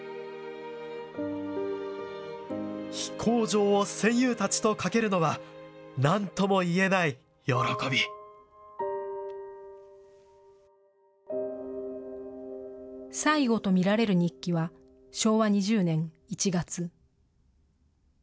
飛行場を戦友達とかけるのは何とも言へない喜び最後と見られる日記は昭和２０年１月。